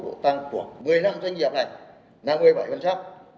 là cái tốc độ tăng của một mươi năm doanh nghiệp này là một mươi bảy